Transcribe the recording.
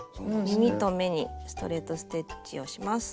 耳と目にストレート・ステッチをします。